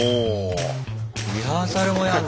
リハーサルもやんだ。